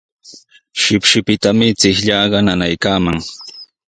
Shipshipitanami chiqllaaqa nanaykaaman.